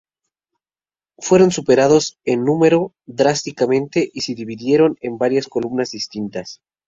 Fueron superados en número drásticamente, y se dividieron en varias columnas distintas.